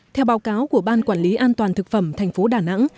theo báo cáo của ban quản lý an toàn thực phẩm thành phố đà nẵng